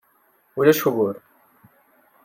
Ulac ugur!